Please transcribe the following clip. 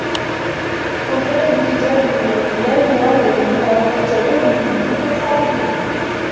قُل فَأتوا بِكِتابٍ مِن عِندِ اللَّهِ هُوَ أَهدى مِنهُما أَتَّبِعهُ إِن كُنتُم صادِقينَ